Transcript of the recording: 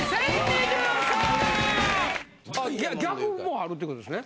逆もあるってことですね？